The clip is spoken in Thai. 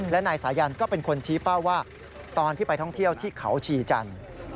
และนายสายันก็เป็นคนชี้เป้าว่าตอนที่ไปท่องเที่ยวที่เขาชีจันทร์